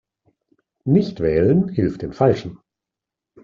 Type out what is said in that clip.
Nichtwählen hilft den Falschen.